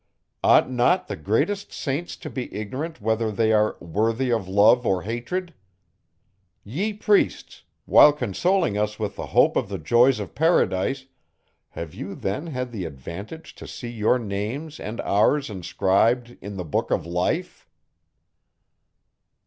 Ought not the greatest saints to be ignorant whether they are worthy of love or hatred? Ye Priests! while consoling us with the hope of the joys of paradise; have you then had the advantage to see your names and ours inscribed _in the book of life?